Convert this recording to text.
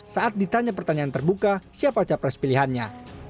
saat ditanya pertanyaan terbuka siapa capres pilihannya